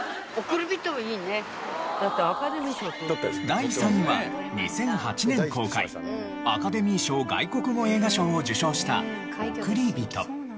第３位は２００８年公開アカデミー賞外国語映画賞を受賞した『おくりびと』。